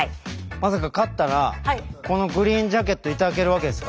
まさか勝ったらこのグリーンジャケット頂けるわけですか？